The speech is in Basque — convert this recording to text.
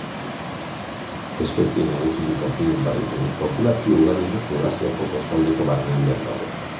Espezie nagusiki kontinentala izanik, populazio ugarienak Eurasiako kostaldeko barnealdean daude.